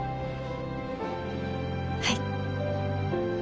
はい。